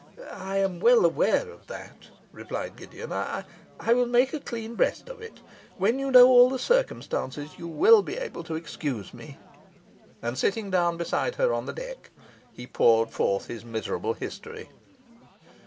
'I am well aware of that,' replied Gideon. 'I I will make a clean breast of it. When you know all the circumstances you will be able to excuse me. And sitting down beside her on the deck, he poured forth his miserable history.